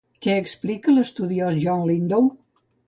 Què explica l'estudiós John Lindow?